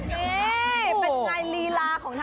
นี่เป็นไงลีลาของเธอ